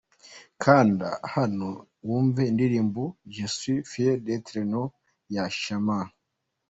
Kanda hano wumve indirimbo ‘Je suis fier d’etre noir’ ya Charmant.